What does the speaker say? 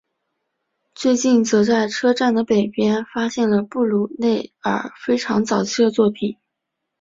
最近则在车站的北边发现了布鲁内尔非常早期的作品。